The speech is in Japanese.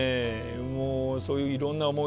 もうそういういろんな思い出。